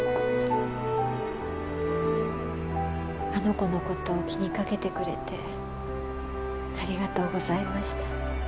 あの子の事を気にかけてくれてありがとうございました。